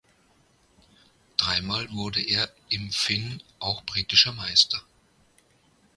Dreimal wurde er im Finn auch britischer Meister.